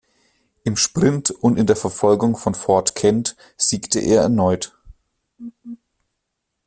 Im Sprint und in der Verfolgung von Fort Kent siegte er erneut.